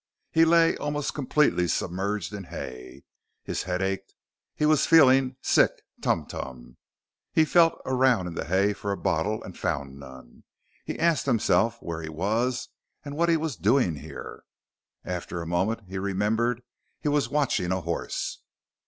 He lay almost completely submerged in hay. His head ached. He was feeling sick tumtum. He felt around in the hay for a bottle and found none. He asked himself where he was and what he was doing here. After a moment, he remembered he was watching a horse.